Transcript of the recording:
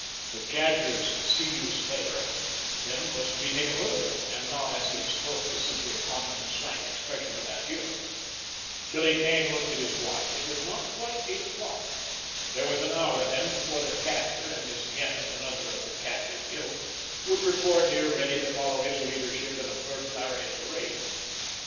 The Cadger's "see youse later," then, was to be taken literally, and not, as he had supposed, as simply a common and slang expression of adieu! Billy Kane looked at his watch. It was not quite eight o'clock. There was an hour, then, before the Cadger and this Gannet, another of the Cadger's ilk, would report here ready to follow his leadership in a burglarious raid.